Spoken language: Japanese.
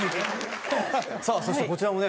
さぁそしてこちらもね。